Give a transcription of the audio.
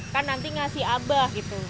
kan nanti ngasih abah gitu